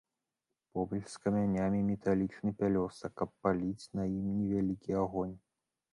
Побач з камянямі металічны пялёстак, каб паліць на ім невялікі агонь.